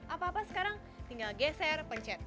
apa apa sekarang tinggal geser pencet